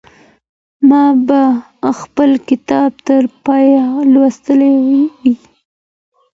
ما به خپل کتاب تر پایه لوستی وي.